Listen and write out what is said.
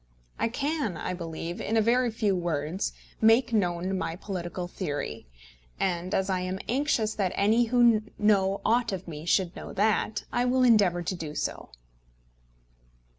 I can, I believe, in a very few words, make known my political theory; and as I am anxious that any who know aught of me should know that, I will endeavour to do so.